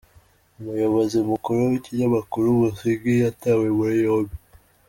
Umuyobozi Mukuru w’Ikinyamakuru Umusingi yatawe muri yombi